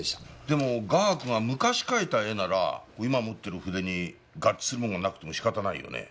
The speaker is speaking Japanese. でも画伯が昔描いた絵なら今持ってる筆に合致するものがなくても仕方ないよね？